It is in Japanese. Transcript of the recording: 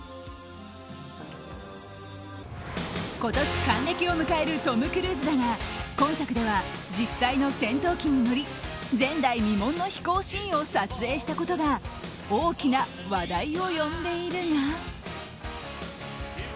今年、還暦を迎えるトム・クルーズだが今作では実際の戦闘機に乗り前代未聞の飛行シーンを撮影したことが大きな話題を呼んでいるが。